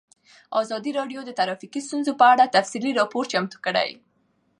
ازادي راډیو د ټرافیکي ستونزې په اړه تفصیلي راپور چمتو کړی.